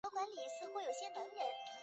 教育训练课程